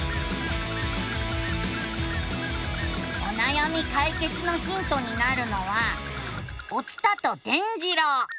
おなやみかいけつのヒントになるのは「お伝と伝じろう」！